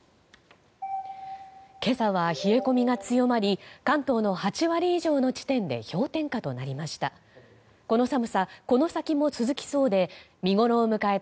今朝は冷え込みが強まり関東の８割以上の地点で氷点下となりました。